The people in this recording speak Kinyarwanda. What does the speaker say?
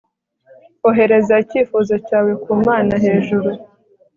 Ohereza icyifuzo cyawe ku Mana hejuru